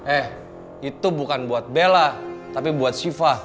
eh itu bukan buat bella tapi buat shiva